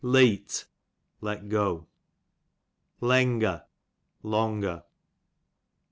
Leete, let go, Lenger, longer.